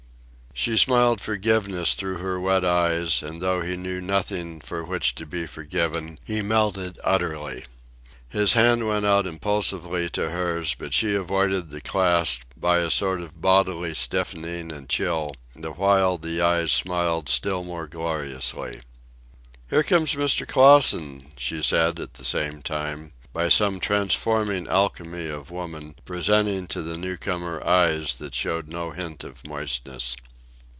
She smiled forgiveness through her wet eyes, and though he knew of nothing for which to be forgiven, he melted utterly. His hand went out impulsively to hers, but she avoided the clasp by a sort of bodily stiffening and chill, the while the eyes smiled still more gloriously. "Here comes Mr. Clausen," she said, at the same time, by some transforming alchemy of woman, presenting to the newcomer eyes that showed no hint of moistness.